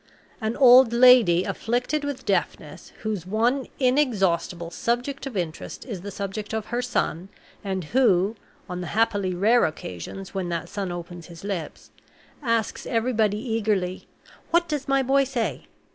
An old lady afflicted with deafness, whose one inexhaustible subject of interest is the subject of her son, and who (on the happily rare occasions when that son opens his lips) asks everybody eagerly, "What does my boy say?"